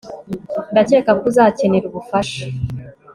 ndakeka ko uzakenera ubufasha